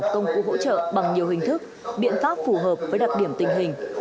công cụ hỗ trợ bằng nhiều hình thức biện pháp phù hợp với đặc điểm tình hình